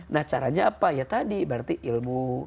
nah caranya apa ya tadi berarti ilmu